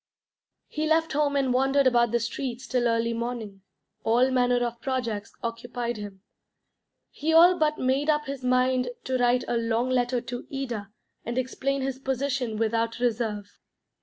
He left home and wandered about the streets till early morning. All manner of projects occupied him. He all but made up his mind to write a long letter to Ida and explain his position without reserve.